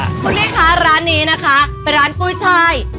คุณพี่คะร้านนี้นะคะเป็นร้านกุ้ยช่าย